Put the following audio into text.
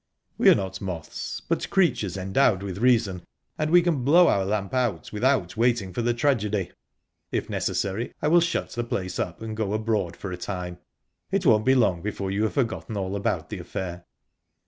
"We are not moths, but creatures endowed with reason, and we can blow our lamp out without waiting for the tragedy. If necessary, I will shut the place up, and go abroad for a time. It won't be long before you have forgotten all about the affair."